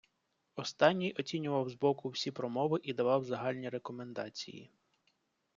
Останній оцінював з боку всі промови і давав загальні рекомендації.